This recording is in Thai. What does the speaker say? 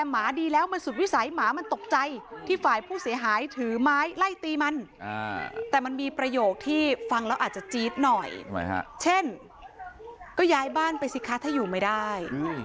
หมาดีแล้วมันสุดวิสัยหมามันตกใจที่ฝ่ายผู้เสียหายถือไม้ไล่ตีมันแต่มันมีประโยคที่ฟังแล้วอาจจะจี๊ดหน่อยฮะเช่นก็ย้ายบ้านไปสิคะถ้าอยู่ไม่ได้